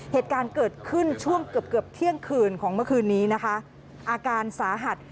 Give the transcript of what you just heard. เหตุการณ์เกิดขึ้นช่วงเกือบเกือบเที่ยงคืนของเมื่อคืนนี้นะคะอาการสาหัส